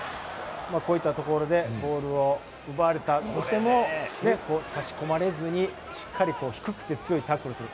こういったところでボールを奪われても差し込まれずに低くて強いタックルをする。